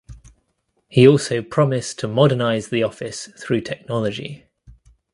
He also promised to modernize the office through technology.